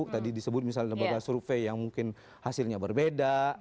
tadi disebut misalnya lembaga survei yang mungkin hasilnya berbeda